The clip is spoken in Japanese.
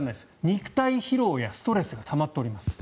肉体疲労やストレスがたまっております。